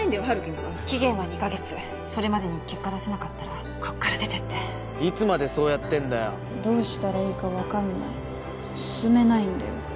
春樹には期限は２カ月それまでに結果出せなかったらこっから出てっていつまでそうやってんだよどうしたらいいか分かんない進めないんだよ